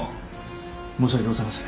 申し訳ございません。